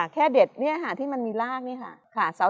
แค่เด็ดอันหน้าที่มันมีรากนี่ค่ะ